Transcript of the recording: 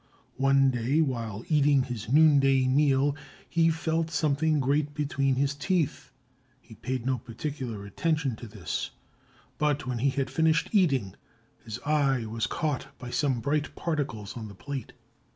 One day, while eating his noonday meal, he felt something grate between his teeth. He paid no particular attention to this, but when he had finished eating his eye was caught by some bright particles on the plate.